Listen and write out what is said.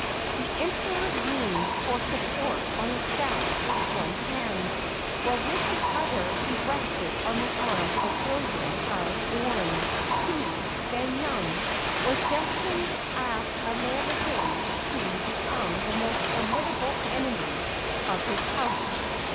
The Emperor leaned for support on a staff with one hand, while with the other he rested on the arm of William of 494 TEDE ABDICATION OF CHARLES Orange, who, then young, was destined at a later day to become the most formidable enemy of his house.